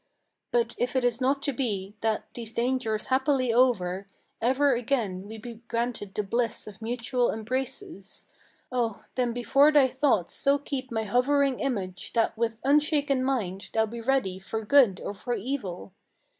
But if it is not to be, that, these dangers happily over, Ever again we be granted the bliss of mutual embraces, Oh, then before thy thoughts so keep my hovering image That with unshaken mind thou be ready for good or for evil!